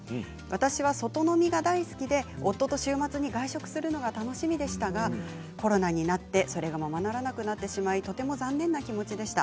私は外飲みが大好きで夫と週末に外食するのが楽しみでしたがコロナになってそれがままならなくなってしまいとても残念な気持ちでした。